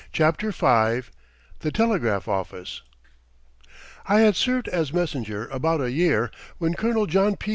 CHAPTER V THE TELEGRAPH OFFICE I had served as messenger about a year, when Colonel John P.